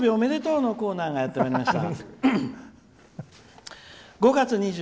お誕生日おめでとうのコーナーがやってまいりました。